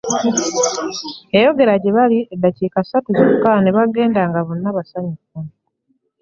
Yayogera gye bali eddakiika ssatu zokka ne bagenda nga bonna basanyufu.